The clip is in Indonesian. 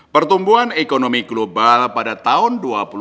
pertumbuhan ekonomi global pada tahun dua ribu dua puluh